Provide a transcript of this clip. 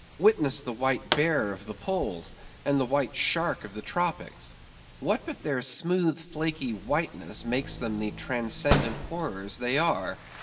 Witness the white bear of the poles, and the white shark of the tropics; what but their smooth, flaky whiteness makes them the transcendent horrors they are?